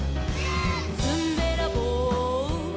「ずんべらぼう」「」